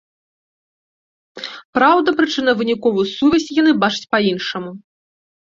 Праўда, прычынна-выніковую сувязь яны бачаць па-іншаму.